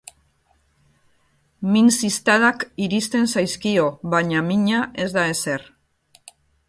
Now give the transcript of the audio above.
Min ziztadak iristen zaizkio, baina mina ez da ezer.